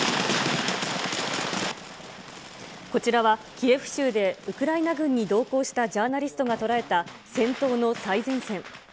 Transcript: こちらはキエフ州でウクライナ軍に同行したジャーナリストが捉えた、戦闘の最前線。